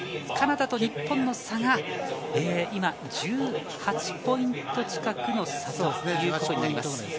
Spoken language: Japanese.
カナダと日本の差が今１８ポイント近くの差になっています。